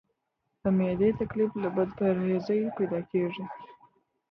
د معدې تکلیف له بد پرهېزۍ پیدا کېږي.